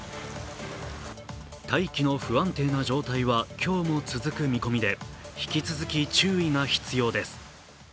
大気の不安定な状態は今日も続く見込みで引き続き注意が必要です。